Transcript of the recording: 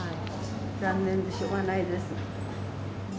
残念でしょうがないです。